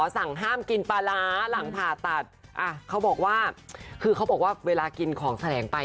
ซึ่งเขาบอกว่าเวลากินของแสลงไป